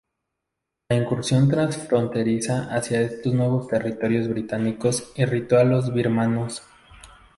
La incursión transfronteriza hacia estos nuevos territorios británicos irritó a los birmanos.